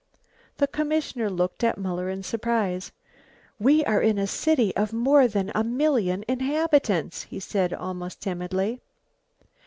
The commissioner looked at Muller in surprise. "We are in a city of more than a million inhabitants," he said, almost timidly.